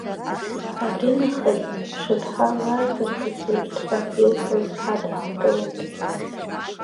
Абри нахыс шәыԥҳа лааӡарҭа сышәҭ, ҳәа илҳәаз ҳадаҳкылоит.